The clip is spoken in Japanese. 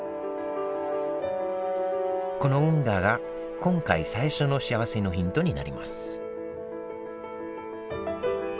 この運河が今回最初のしあわせのヒントになります